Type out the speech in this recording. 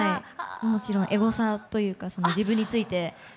もちろんエゴサというか自分について。